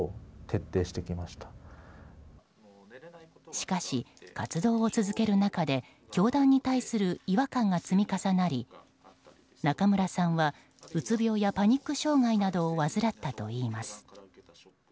しかし、活動を続ける中で教団に対する違和感が積み重なり中村さんはうつ病やパニック障害などを患ったといいます。